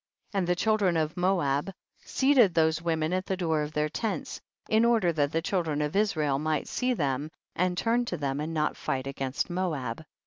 And the children of Moab sealed those women at the door of their tents, in order that the children of Israel might see them and turn to them, and not fight against Moab.